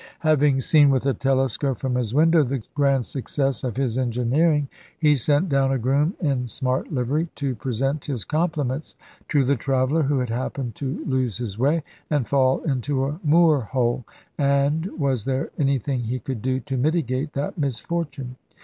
Having seen with a telescope from his window the grand success of his engineering, he sent down a groom in smart livery, to present his compliments to the traveller who had happened to lose his way, and fall into a moor hole, and was there anything he could do to mitigate that misfortune?